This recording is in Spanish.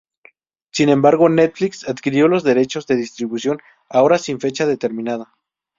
Sin embargo, Netflix adquirió los derechos de distribución, ahora sin fecha determinada.